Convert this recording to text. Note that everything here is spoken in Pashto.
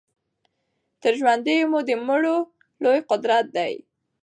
تر ژوندیو مو د مړو لوی قوت دی